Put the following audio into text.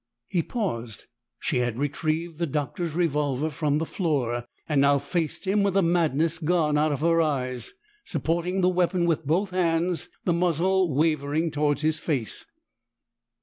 He paused. She had retrieved the Doctor's revolver from the floor, and now faced him with the madness gone out of her eyes, supporting the weapon with both hands, the muzzle wavering toward his face.